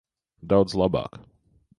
Daudz labāk.